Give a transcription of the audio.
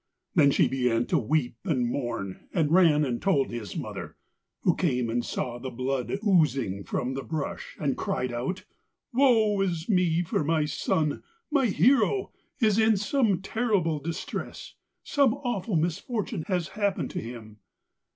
Then she began to weep and mourn, and ran and told his mother, who came and saw the blood oozing from the brush, and cried out: 'Woe is me, for my son, my hero, is in some terrible distress; some awful misfortune has happened to him.'